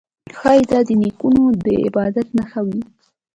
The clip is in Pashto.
ښايي دا د نیکونو د عبادت نښه وي